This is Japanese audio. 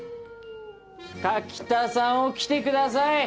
柿田さん起きてください！